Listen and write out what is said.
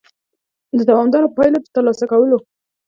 د دوامدارو پایلو د ترلاسه کولو